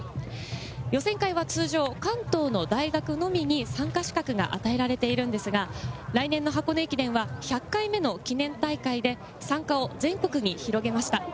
予選会は通常、関東の大学のみに参加資格が与えられているんですが、来年の箱根駅伝は１００回目の記念大会で、参加を全国に広げました。